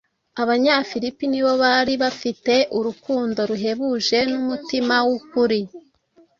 Abanyafilipi nibo bari bafite urukundo ruhebuje n’umutima w’ukuri